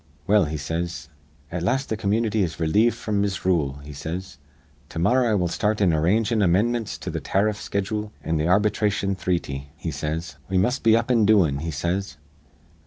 'Well,' he says, 'at last th' community is relieved fr'm misrule,' he says. 'To morrah I will start in arrangin' amindmints to th' tariff schedool an' th' ar bitration threety,' he says. 'We must be up an' doin',' he says.